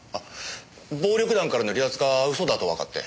暴力団からの離脱が嘘だとわかって。